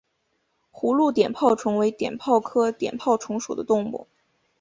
葫芦碘泡虫为碘泡科碘泡虫属的动物。